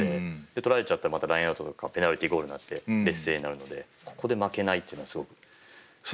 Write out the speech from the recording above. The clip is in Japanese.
取られちゃったらまたラインアウトとかペナルティゴールになって劣勢になるのでここで負けないというのはすごく。